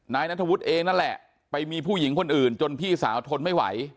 นายนัทธวุฒิเองนั่นแหละไปมีผู้หญิงคนอื่นจนพี่สาวทนไม่ไหว